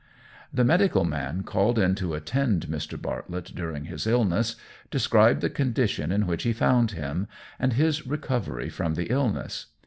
The medical man called in to attend Mr. Bartlett during his illness, described the condition in which he found him, and his recovery from the illness.